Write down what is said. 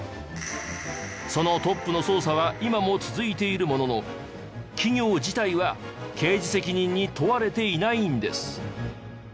そのトップの捜査は今も続いているものの企業自体は刑事責任に問われていないんです。